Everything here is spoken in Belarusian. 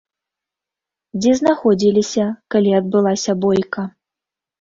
Дзе знаходзіліся, калі адбылася бойка?